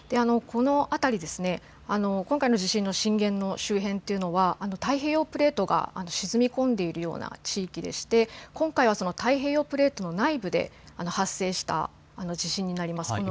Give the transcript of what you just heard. この辺りですね、今回の地震の震源の周辺っていうのは、太平洋プレートが沈み込んでいるような地域でして、今回は太平洋プレートの内部で発生した地震になります。